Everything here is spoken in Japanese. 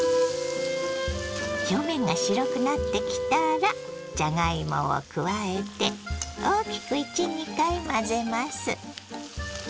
表面が白くなってきたらじゃがいもを加えて大きく１２回混ぜます。